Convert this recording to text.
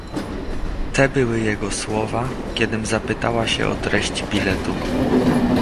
"te były jego słowa, kiedym zapytała się o treść biletu."